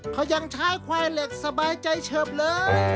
เขายังใช้ควายเหล็กสบายใจเฉิบเลย